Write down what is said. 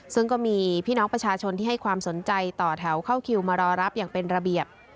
ซึ่งก็มีพี่น้องประชาชนที่ให้ความสนใจต่อแถวเข้าคิวมารอรับอย่างเป็นระเบียบ